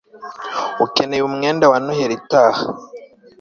ukeneye umwenda wa noheli itaha